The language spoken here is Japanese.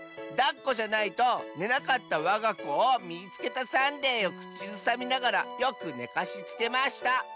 「だっこじゃないとねなかったわがこを『みいつけた！さんでぃ』をくちずさみながらよくねかしつけました！